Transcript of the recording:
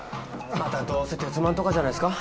またどうせ徹マンとかじゃないですか？